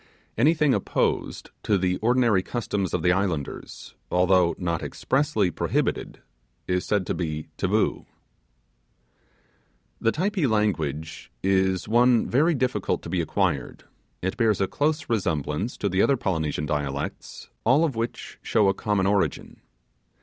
Anything opposed to the ordinary customs of the islanders, although not expressly prohibited, is said to be 'taboo'. The Typee language is one very difficult to be acquired; it bears a close resemblance to the other Polynesian dialects, all of which show a common origin.